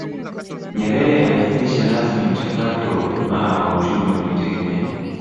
Nyerere alianzisha rasmi mchakato wa ujamaa na uchumi wa kujitegemea